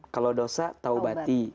kalau dosa taubati